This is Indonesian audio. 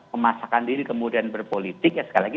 memasakkan diri kemudian berpolitik ya sekali lagi